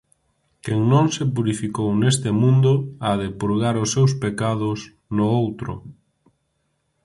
Quen non se purificou neste mundo ha de purgar os seus pecados no outro.